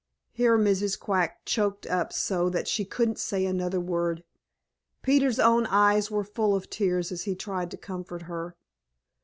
Here Mrs. Quack choked up so that she couldn't say another word. Peter's own eyes were full of tears as he tried to comfort her.